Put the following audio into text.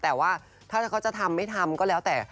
แต่ว่าถ้าเขาจะทำไม่ทำก็แล้วแต่